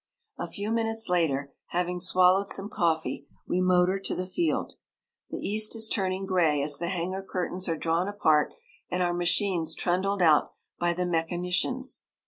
A few minutes later, having swallowed some coffee, we motor to the field. The east is turning gray as the hangar curtains are drawn apart and our machines trundled out by the mechanicians.